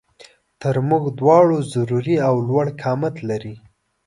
تر مونږ دواړو ضروري او لوړ قامت لري